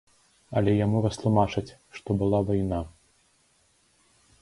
Але яму растлумачаць, што была вайна.